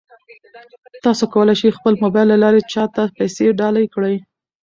تاسو کولای شئ د خپل موبایل له لارې چا ته پیسې ډالۍ کړئ.